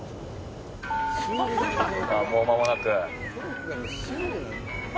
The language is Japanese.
もうまもなく。